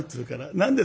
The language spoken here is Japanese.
「何ですか？」